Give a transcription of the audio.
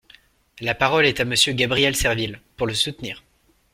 La parole est à Monsieur Gabriel Serville, pour le soutenir.